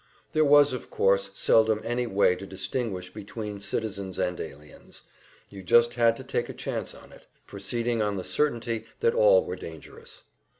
There was of course seldom any way to distinguish between citizens and aliens; you just had to take a chance on it, proceeding on the certainty that all were dangerous.